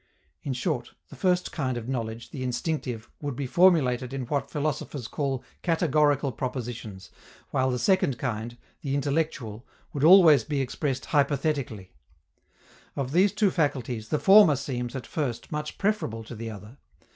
In short, the first kind of knowledge, the instinctive, would be formulated in what philosophers call categorical propositions, while the second kind, the intellectual, would always be expressed hypothetically. Of these two faculties, the former seems, at first, much preferable to the other.